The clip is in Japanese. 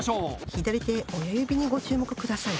左手親指にご注目ください。